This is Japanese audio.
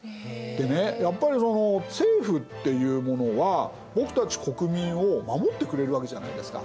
でねやっぱりその政府っていうものは僕たち国民を守ってくれるわけじゃないですか？